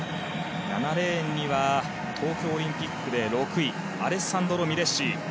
７レーンには東京オリンピックで６位アレッサンドロ・ミレッシ。